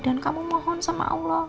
dan kamu mohon sama allah